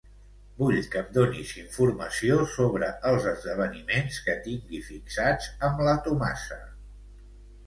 Vull que em donis informació sobre els esdeveniments que tingui fixats amb la Tomasa.